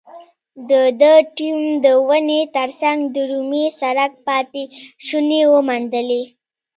د ده ټیم د ونې تر څنګ د رومي سړک پاتې شونې وموندلې.